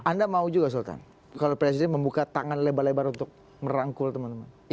anda mau juga sultan kalau presiden membuka tangan lebar lebar untuk merangkul teman teman